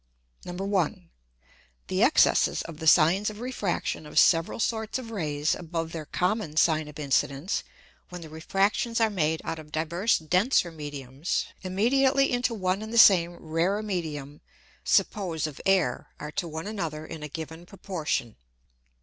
1. The Excesses of the Sines of Refraction of several sorts of Rays above their common Sine of Incidence when the Refractions are made out of divers denser Mediums immediately into one and the same rarer Medium, suppose of Air, are to one another in a given Proportion.